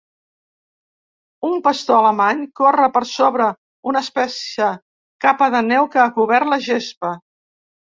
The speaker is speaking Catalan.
Un pastor alemany corre per sobre una espessa capa de neu que ha cobert la gespa.